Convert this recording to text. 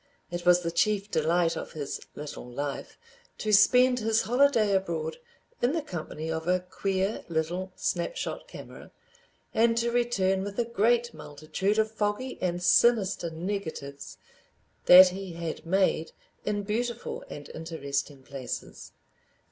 It was the chief delight of his little life to spend his holiday abroad in the company of a queer little snap shot camera, and to return with a great multitude of foggy and sinister negatives that he had made in beautiful and interesting places.